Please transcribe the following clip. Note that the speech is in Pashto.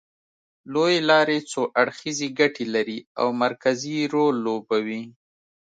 لوېې لارې څو اړخیزې ګټې لري او مرکزي رول لوبوي